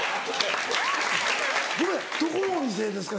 ごめんどこのお店ですか？